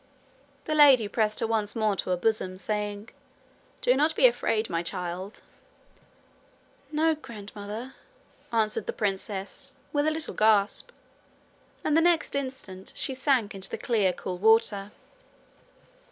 The lady pressed her once more to her bosom, saying: 'Do not be afraid, my child.' 'No, grandmother,' answered the princess, with a little gasp; and the next instant she sank in the clear cool water.